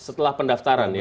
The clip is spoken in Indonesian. setelah pendaftaran ya